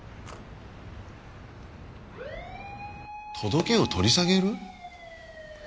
届けを取り下げる？